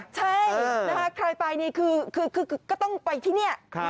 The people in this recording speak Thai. ใช่นะคะใครไปนี่คือก็ต้องไปที่นี่